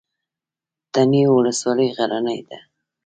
تڼیو ولسوالۍ غرنۍ ده؟